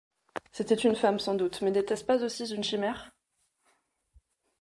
C’était une femme sans doute, mais n’était-ce pas aussi une chimère?